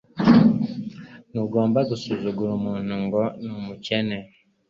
Ntugomba gusuzugura umuntu ngo ni umukene.